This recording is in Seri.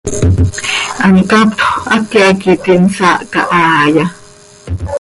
¿Hant captxö hac háqui hac iti hsaahca haaya?